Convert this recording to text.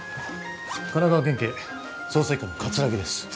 神奈川県警捜査一課の葛城です